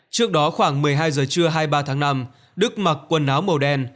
trước đó khoảng một mươi hai giờ trưa hai mươi ba tháng năm đức mặc quần áo màu đen